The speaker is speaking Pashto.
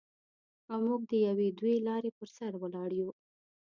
او موږ د یوې دوې لارې پر سر ولاړ یو.